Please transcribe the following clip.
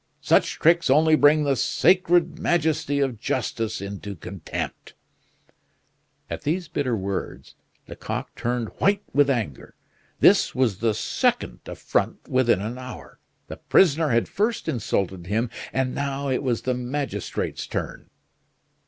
Such tricks only bring the sacred majesty of justice into contempt!" At these bitter words, Lecoq turned white with anger. This was the second affront within an hour. The prisoner had first insulted him, and now it was the magistrate's turn.